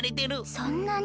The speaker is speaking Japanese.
そんなに。